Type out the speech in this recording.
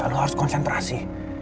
lu harus konsentrasi